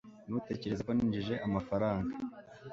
ntutekereze ko ninjije amafaranga